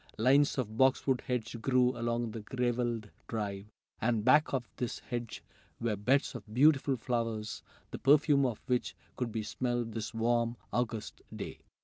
Lines of boxwood hedge grew along the graveled drive, and back of this hedge were beds of beautiful flowers, the perfume of which could be smelled this warm, August day.